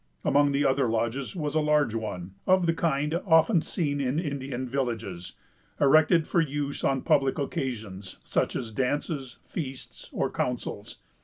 Among the other lodges was a large one, of the kind often seen in Indian villages, erected for use on public occasions, such as dances, feasts, or councils.